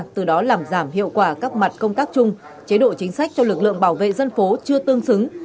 từ đó làm giảm hiệu quả các mặt công tác chung chế độ chính sách cho lực lượng bảo vệ dân phố chưa tương xứng